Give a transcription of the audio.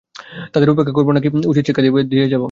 তাদের উপেক্ষা করবো না কি উচিত শিক্ষা দিয়ে যাবো?